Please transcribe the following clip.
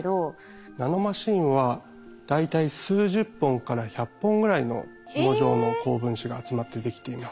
ナノマシンは大体数十本から百本ぐらいのひも状の高分子が集まってできています。